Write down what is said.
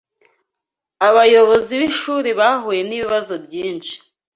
abayobozi b'ishuri bahuye nibibazo byinshi